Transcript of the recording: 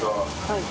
はい。